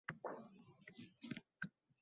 Hayot bu o’yin